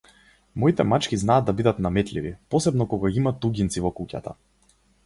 Моите мачки знаат да бидат наметливи, посебно кога има туѓинци во куќата.